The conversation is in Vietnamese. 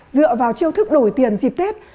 dựa vào chiêu thức đổi tiền dịp tết